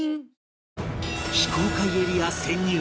非公開エリア潜入